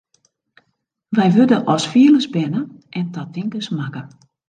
Wy wurde as fielers berne en ta tinkers makke.